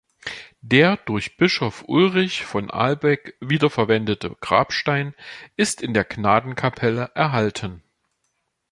Der durch Bischof Ulrich von Albeck wiederverwendete Grabstein ist in der Gnadenkapelle erhalten.